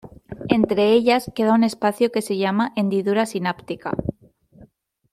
Entre ellas queda un espacio que se llama hendidura sináptica.